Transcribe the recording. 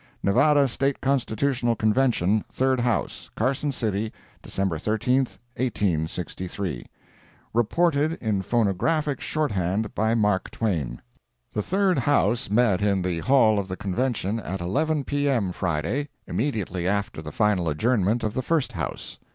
] Nevada State Constitutional Convention; Third House Carson City, December 13, 1863 REPORTED IN PHONOGPAPHIC SHORT HAND BY MARK TWAIN The Third House met in the Hall of the Convention at 11 P. M., Friday, immediately after the final adjournment of the First House.